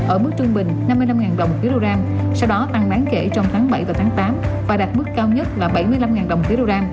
ở mức trung bình năm mươi năm đồng một kg sau đó tăng đáng kể trong tháng bảy và tháng tám và đạt mức cao nhất là bảy mươi năm đồng một kg